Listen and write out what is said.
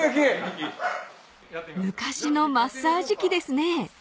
［昔のマッサージ機ですね］